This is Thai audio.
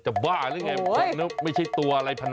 บ้าหรือไงไม่ใช่ตัวอะไรพนัน